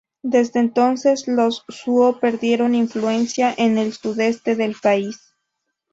Desde entonces, los Zhou perdieron influencia an el sudeste del país.